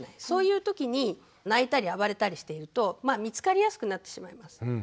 そういう時に泣いたり暴れたりしていると見つかりやすくなってしまいます。